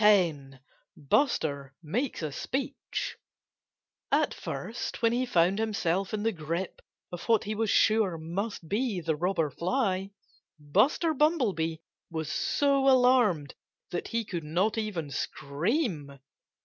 X BUSTER MAKES A SPEECH At first, when he found himself in the grip of what he was sure must be the Robber Fly, Buster Bumblebee was so alarmed that he could not even scream.